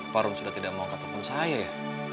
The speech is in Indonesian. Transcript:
farun sudah tidak mau angkat telepon saya ya